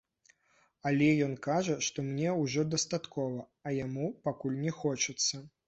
Але ён кажа, што мне ўжо дастаткова, а яму пакуль не хочацца.